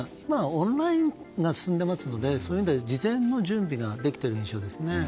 オンラインが進んでいますから事前の準備ができている印象ですね。